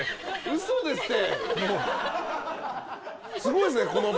嘘ですって。